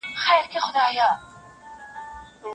تښتي به خلوت ته ابوجهل د تیارې بچی